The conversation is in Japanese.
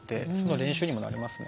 練習にもなりますね。